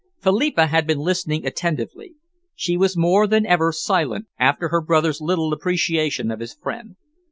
Philippa had been listening attentively. She was more than ever silent after her brother's little appreciation of his friend.